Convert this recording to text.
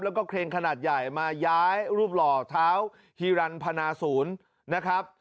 แล้วก็เครนขนาดใหญ่มาย้ายรูปหล่อเท้าฮีรันพนาศูนย์นะครับ